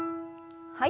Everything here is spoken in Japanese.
はい。